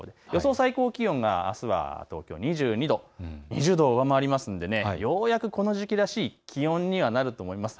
最高気温があすは東京２２度、２０度を上回りますのでようやくこの時期らしい気温にはなると思います。